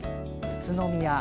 宇都宮。